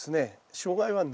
障害はないと。